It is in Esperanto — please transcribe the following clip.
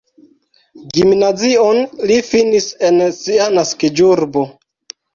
Gimnazion li finis en sia naskiĝurbo.